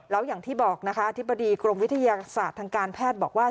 แล้วอย่างที่บอกนะคะอธิบดีกรมวิทยาศาสตร์ทางการแพทย์บอกว่า